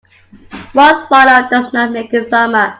One swallow does not make a summer.